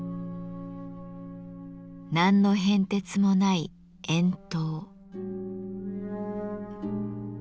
何の変哲もない「円筒」。